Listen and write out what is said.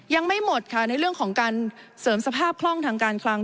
ยังไม่หมดค่ะในเรื่องของการเสริมสภาพคล่องทางการคลัง